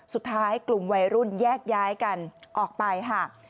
สุดท้ายกลุ่มวัยรุ่นแยกย้ายกันออกไปค่ะ